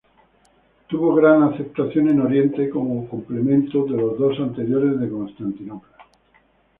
Tuvo gran aceptación en oriente, como complemento de los dos anteriores de Constantinopla.